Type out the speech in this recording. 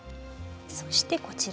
そしてこちら。